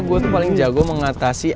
gue tuh paling jago mengatasi